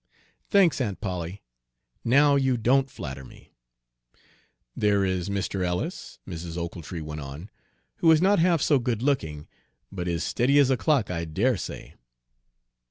"Thanks, Aunt Polly! Now you don't flatter me." "There is Mr. Ellis," Mrs. Ochiltree went on, "who is not half so good looking, but is steady as a clock, I dare say."